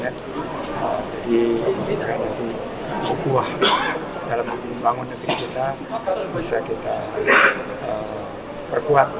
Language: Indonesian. jadi kita nanti bukuah dalam membangun negeri kita bisa kita perkuat